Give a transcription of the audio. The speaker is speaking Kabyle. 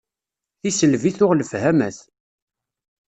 Tiselbi tuγ lefhamat.